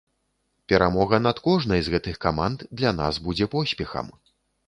Перамога над кожнай з гэтых каманд для нас будзе поспехам.